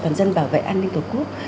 toàn dân bảo vệ an ninh tổ quốc